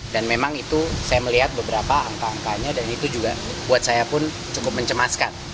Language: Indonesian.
dan memang itu saya melihat beberapa angka angkanya dan itu juga buat saya pun cukup mencemaskan